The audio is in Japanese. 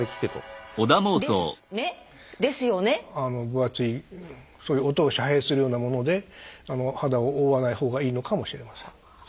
分厚いそういう音を遮蔽するようなもので肌を覆わない方がいいのかもしれません。